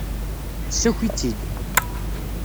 Ssaki-tt-id.